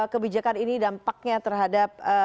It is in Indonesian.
kebijakan ini dampaknya terhadap